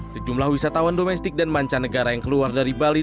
sejumlah wisatawan domestik dan mancanegara yang keluar dari bali